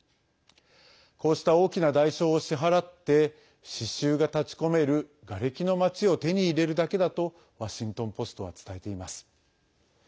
こうした大きな代償を支払って死臭が立ちこめるがれきの街を手に入れるだけだとワシントン・ポストは伝えています。